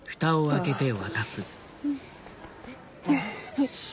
はい。